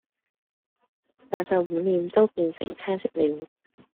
那就滿臉都變成青色了。